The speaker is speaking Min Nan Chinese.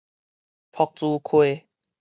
朴子溪